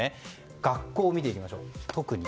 学校を見ていきましょう。